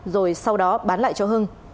rồi sau đó bán lại cho hưng